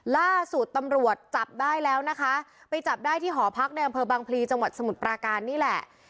ล่าสุดตำรวจจับได้แล้วนะคะไปจับได้ที่หอพักในอำเภอบางพลีจังหวัดสมุทรปราการนี่แหละ